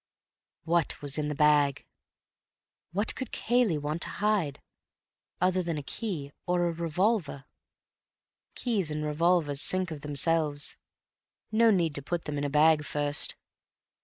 What was in the bag? What could Cayley want to hide other than a key or a revolver? Keys and revolvers sink of themselves; no need to put them in a bag first.